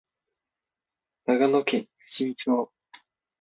長野県富士見町